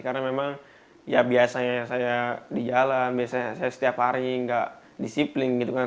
karena memang ya biasanya saya di jalan biasanya saya setiap hari nggak disiplin gitu kan